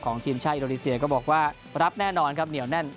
ของทีมชาติอิดโนโลนิเซียก็บอกว่ารับแน่นอนเนี่ยวแน่น